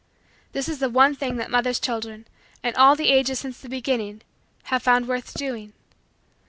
This is the one thing that Mother's children, in all the ages since the beginning, have found worth doing.